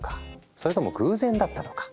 それとも偶然だったのか？